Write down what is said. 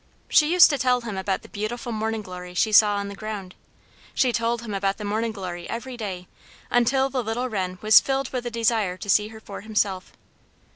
She used to tell him about the beautiful Morning Glory she saw on the ground. She told him about the Morning Glory every day, until the little Wren was filled with a desire to see her for himself.